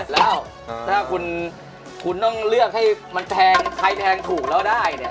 แล้วถ้าคุณต้องเลือกให้ใครแทนถูกแล้วได้